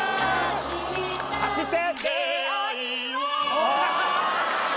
走って！